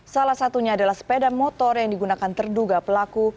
salah satunya adalah sepeda motor yang digunakan terduga pelaku